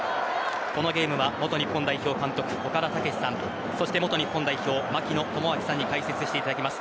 このゲームは元日本代表監督・岡田武史さん元日本代表・槙野智章さんに解説していただきます。